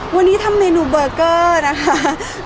วันนี้ทำเมนูเบอร์เกอร์นะคะ